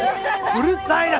うるさいな！